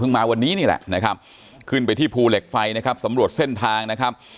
มาวันนี้นี่แหละนะครับขึ้นไปที่ภูเหล็กไฟนะครับสำรวจเส้นทางนะครับ